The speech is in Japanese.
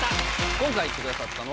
今回行ってくださったのは。